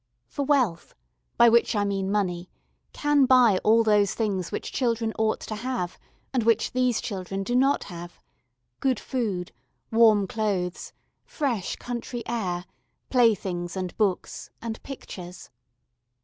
For wealth, by which I mean money, can buy all those things which children ought to have, and which these children do not have good food, warm clothes, fresh country air, playthings and books, and pictures.